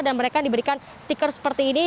dan mereka diberikan stiker seperti ini